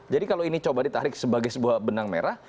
kalau ini coba ditarik sebagai sebuah benang merah